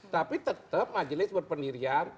tapi tetap majelis berpendirian